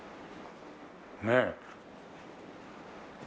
ねえ。